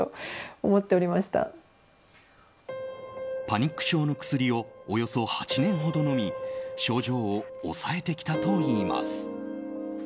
パニック症の薬をおよそ８年ほど飲み症状を抑えてきたといいます。